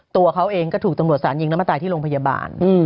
ตัวเขาเองก็ถูกตำรวจสารยิงแล้วมาตายที่โรงพยาบาล